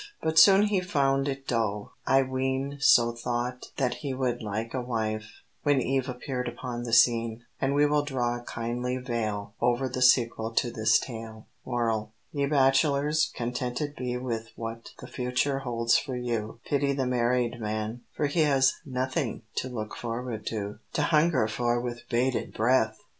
But soon he found it dull, I ween, So thought that he would like a wife, When Eve appeared upon the scene. And we will draw a kindly veil Over the sequel to this tale. MORAL Ye Bachelors, contented be With what the future holds for you; Pity the married man, for he Has nothing to look forward to, To hunger for with bated breath!